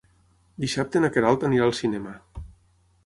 Dissabte na Queralt anirà al cinema.